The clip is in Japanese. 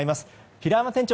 平山店長